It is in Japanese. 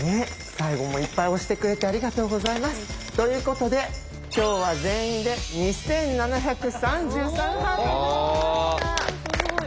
最後もいっぱい押してくれてありがとうございます。ということで今日は全員ですごい。